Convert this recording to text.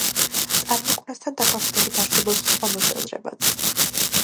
წარმოქმნასთან დაკავშირებით არსებობს სხვა მოსაზრებაც.